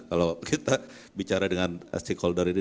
kalau kita bicara dengan stakeholder ini